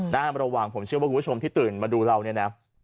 น่ามาระวังผมเชื่อว่าผู้ชมที่ตื่นไปดูเรานี้นะ